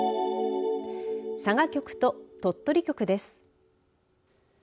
佐賀局と鳥取局です。